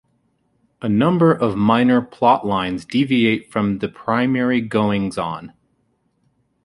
A number of minor plotlines deviate from the primary goings-on.